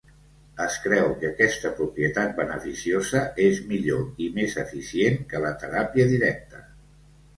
Es creu que aquesta propietat beneficiosa és millor i més eficient que la teràpia directa.